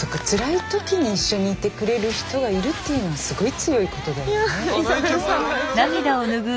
つらい時に一緒にいてくれる人がいるっていうのはすごい強いことだよね。